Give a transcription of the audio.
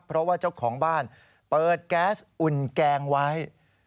เพราะว่าเจ้าของบ้านเปิดแก๊สอุ่นแกงไว้